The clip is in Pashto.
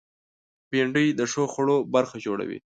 بېنډۍ د ښو خوړو برخه جوړوي